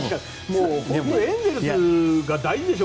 エンゼルスが大事でしょ？